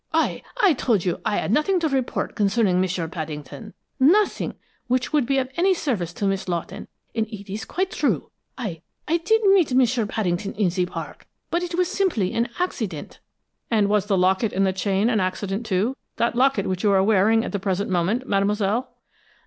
I I told you I had nothing to report concerning M'sieu Paddington, nothing which could be of service to Miss Lawton, and it is quite true. I I did meet M'sieu Paddington in the park, but it was simply an accident." "And was the locket and chain an accident, too? That locket which you are wearing at the present moment, mademoiselle?"